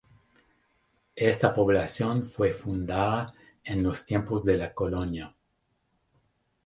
Esta población fue fundada en los tiempos de la Colonia.